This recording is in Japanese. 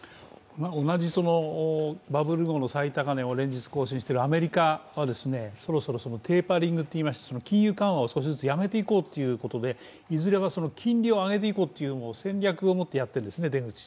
同じバブル後の最高値を連日更新しているアメリカは、そろそろテーパリングといいまして、金融緩和を少しずつやめていこうということでいずれは金利を上げていこうという出口戦略を持ってやっているんですね。